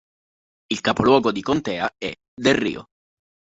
Il capoluogo di contea è Del Rio.